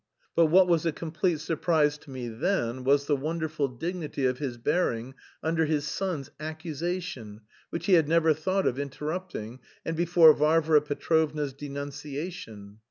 But what was a complete surprise to me then was the wonderful dignity of his bearing under his son's "accusation," which he had never thought of interrupting, and before Varvara Petrovna's "denunciation."